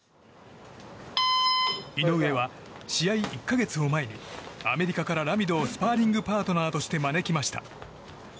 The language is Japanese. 井上は試合１か月を前にアメリカから、ラミドをスパーリングパートナーとして招きました。